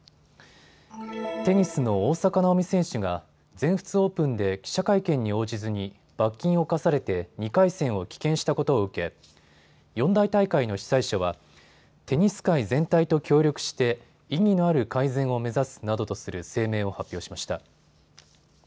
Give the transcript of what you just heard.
テニスの大坂なおみ選手が全仏オープンで記者会見に応じずに罰金を課されて２回戦を棄権したことを受け四大大会の主催者はテニス界全体と協力して意義の改善を目指すなどとする声明を発表しました。